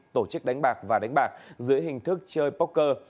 tổ chức đánh bạc và đánh bạc